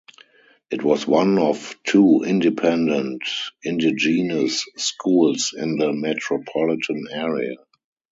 It was one of two independent Indigenous schools in the metropolitan area.